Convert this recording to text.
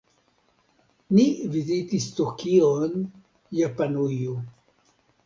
Ni vizitis Tokion, Japanujo.